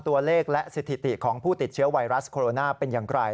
ตัวเลขและสถิติของผู้ติดเชื้อไวรัสโคโรนาเป็นอย่างไร